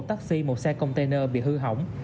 một taxi một xe container bị hư hỏng